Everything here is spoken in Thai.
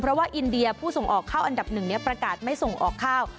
เพราะว่าอินเดียผู้ส่งออกข้าวอันดับหนึ่งประกาศไม่ส่งออกข้าว